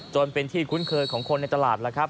จนเป็นที่คุ้นเคยของคนในตลาดแล้วครับ